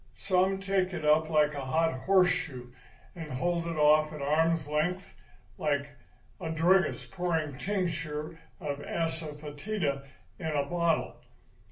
Some take it up like a hot horseshoe, and hold it off at arm's length like a druggist pouring tincture of asafœtida in a bottle.